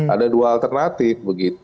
ada dua alternatif begitu